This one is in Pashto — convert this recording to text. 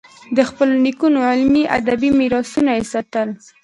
د خپلو نیکونو علمي، ادبي میراثونه یې ساتل.